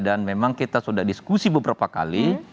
dan memang kita sudah diskusi beberapa kali